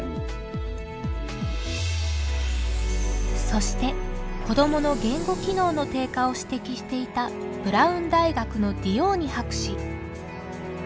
そして子どもの言語機能の低下を指摘していたブラウン大学のディオーニ博士。